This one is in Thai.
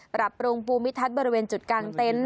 ปรับปรุงภูมิทัศน์บริเวณจุดกลางเต็นต์